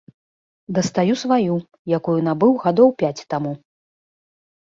Дастаю сваю, якую набыў гадоў пяць таму.